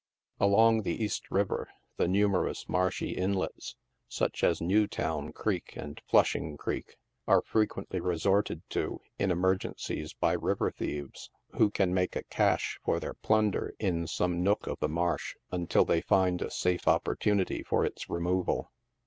Along the East River, the numerous marshy inlets, such as New town Creek and Flushing Greek, are frequently resorted to, in emer gencies, by river thieves, who can make a cache for their plunder in some nook of the marsh, until they find a sale opportunity for its removal.